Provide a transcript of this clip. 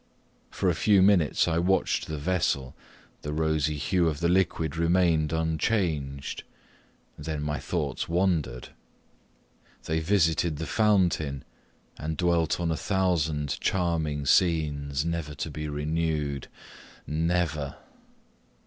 For a few minutes I watched the vessel the rosy hue of the liquid remained unchanged. Then my thoughts wandered they visited the fountain, and dwelt on a thousand charming scenes never to be renewed never!